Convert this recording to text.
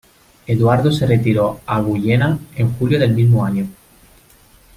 Eduardo se retiró a Guyena en julio del mismo año.